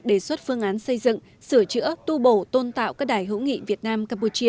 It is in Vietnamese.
đề xuất phương án xây dựng sửa chữa tu bổ tôn tạo các đài hữu nghị việt nam campuchia